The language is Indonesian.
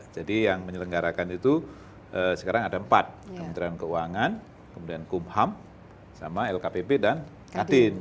jadi yang menyelenggarakan itu sekarang ada empat kementerian keuangan kemudian kumham sama lkpp dan kadin